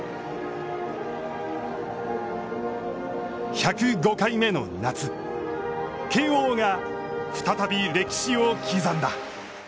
１０５回目の夏慶応が再び歴史を刻んだ。